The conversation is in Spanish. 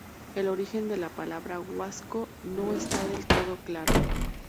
El origen de la palabra Huasco no está del todo claro.